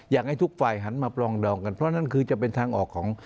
อยากให้ทุกฝ่ายหันมาปลองดองกันเพราะนั่นคือจะเป็นทางออกของ